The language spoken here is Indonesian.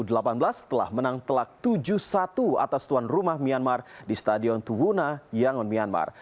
setelah menang telak tujuh satu atas tuan rumah myanmar di stadion tuguna yangon myanmar